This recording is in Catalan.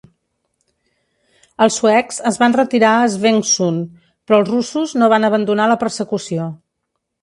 Els suecs es van retirar a Svensksund, però els russos no van abandonar la persecució.